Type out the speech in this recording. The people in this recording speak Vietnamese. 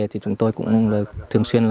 chúng tôi cũng thường xuyên